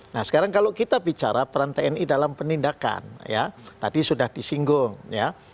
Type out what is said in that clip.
nah sekarang kalau kita bicara peran tni dalam penindakan ya tadi sudah disinggung ya